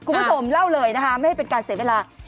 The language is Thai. คุณผู้ชมเล่าเลยนะคะไม่ให้เป็นการเสียเวลา